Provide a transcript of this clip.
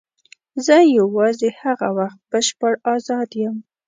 زه یوازې هغه وخت بشپړ آزاد یم.